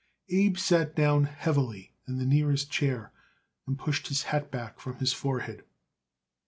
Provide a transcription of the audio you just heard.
Abe sat down heavily in the nearest chair and pushed his hat back from his forehead.